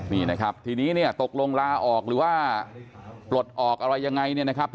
นี่นะครับที่นี้ตกลงลาออกหรือว่าตกลงลาออกอะไรยังไงนะครับ